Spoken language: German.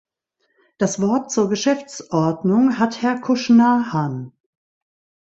Das Wort zur Geschäftordnung hat Herr Cushnahan.